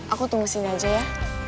aku tunggu sini aja ya